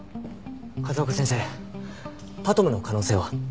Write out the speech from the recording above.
風丘先生ＰＡＴＭの可能性は？